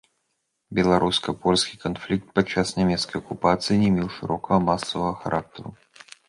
Беларуска-польскі канфлікт падчас нямецкай акупацыі не меў шырокага масавага характару.